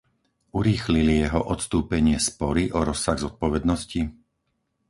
Urýchlili jeho odstúpenie spory o rozsah zodpovednosti?